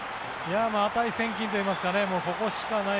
値千金といいますかここしかない。